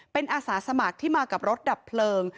เป็นอาสาสมัครที่มากับรถดับเพลิง